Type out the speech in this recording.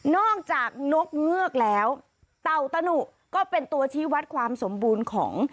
นอกจากนกเงือกแล้วเต่าตะหนุก็เป็นตัวชี้วัดความสมบูรณ์ของ